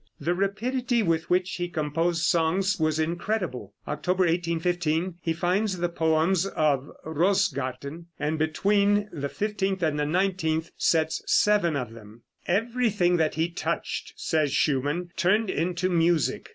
The rapidity with which he composed songs was incredible. October, 1815, he finds the poems of Rosegarten, and between the 15th and 19th sets seven of them. "Everything that he touched," says Schumann, "turned into music."